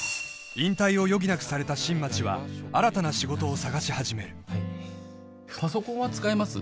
引退を余儀なくされた新町は新たな仕事を探し始めるパソコンは使えます？